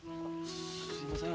すいません。